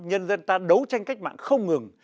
nhân dân ta đấu tranh cách mạng không ngừng